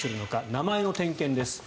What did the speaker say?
名前の点検です。